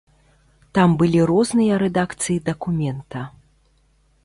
Там былі розныя рэдакцыі дакумента.